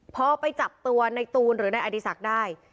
พอไปจับตัวในตูนหรือนายอดีศักดิ์ได้